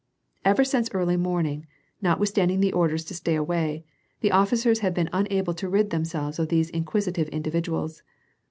Ever since early morning, notwithstanding the orders to stay away, the officers had been unable to rid themselves of these inquisitive individuals.